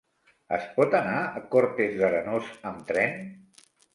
Es pot anar a Cortes d'Arenós amb tren?